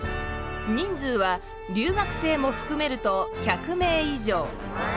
人数は留学生もふくめると１００名以上。